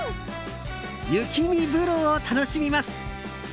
雪見風呂を楽しみます。